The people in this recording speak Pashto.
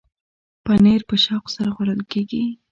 پنېر په شوق سره خوړل کېږي.